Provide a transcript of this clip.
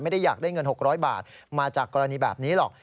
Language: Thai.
ไม่ได้อยากได้เงิน๖๐๐บาทมาจากกรณีแบบนี้หรอก